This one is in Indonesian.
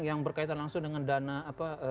yang berkaitan langsung dengan dana apa